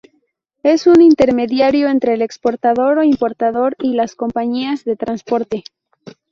Es un intermediario entre el exportador o importador y las compañías de transporte.